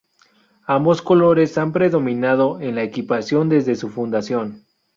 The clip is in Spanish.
Ambos colores han predominado en la equipación desde su fundación.